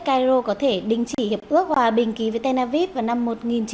cairo có thể đình chỉ hiệp ước hòa bình ký với tel aviv vào năm một nghìn chín trăm tám mươi